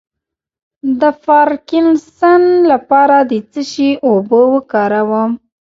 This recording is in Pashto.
د پارکینسن لپاره د څه شي اوبه وکاروم؟